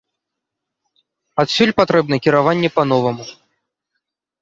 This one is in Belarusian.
Адсюль патрэбна кіраванне па-новаму.